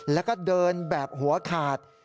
แล้วก็เดินแบบหัวขาด